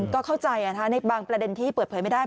ก็เข้าใจในบางประเด็นที่เปิดเผยไม่ได้